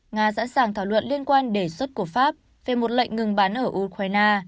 nga đã sẵn thảo luận liên quan đề xuất của pháp về một lệnh ngừng bán ở ukraine